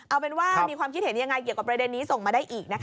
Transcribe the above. เอาเป็นว่ามีความคิดเห็นยังไงเกี่ยวกับประเด็นนี้ส่งมาได้อีกนะคะ